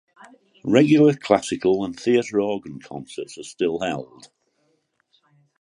Regular classical and theatre organ concerts are still held.